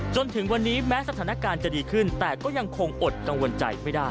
จนถึงวันนี้แม้สถานการณ์จะดีขึ้นแต่ก็ยังคงอดกังวลใจไม่ได้